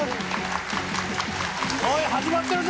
おい始まってるぞ！